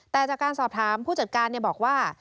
แต่จากการสอบถามผู้จัดการบอกว่า